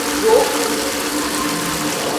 وہ اونٹ ہے